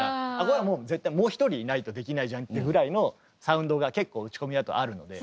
これはもう絶対もう一人いないとできないじゃんってぐらいのサウンドが結構打ち込みだとあるので。